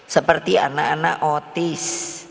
seperti anak anak otis